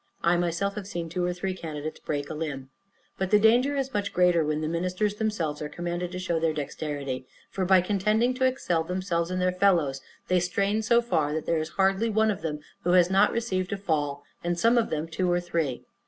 I myself have seen two or three candidates break a limb. But the danger is much greater when the ministers themselves are commanded to show their dexterity; for, by contending to excel themselves and their fellows, they strain so far, that there is hardly one of them who has not received a fall, and some of them two or three.